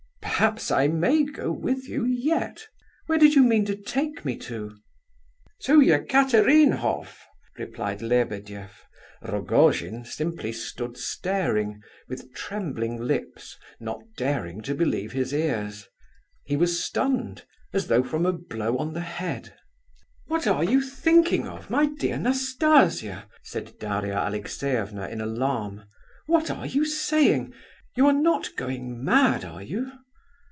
Perhaps I may go with you yet. Where did you mean to take me to?" "To Ekaterinhof," replied Lebedeff. Rogojin simply stood staring, with trembling lips, not daring to believe his ears. He was stunned, as though from a blow on the head. "What are you thinking of, my dear Nastasia?" said Daria Alexeyevna in alarm. "What are you saying?" "You are not going mad, are you?"